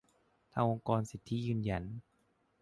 ทางองค์กรสิทธิยืนยัน